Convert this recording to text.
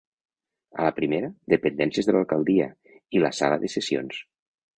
A la primera, dependències de l'alcaldia i la sala de sessions.